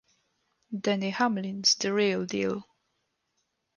Denny Hamlin's the real deal.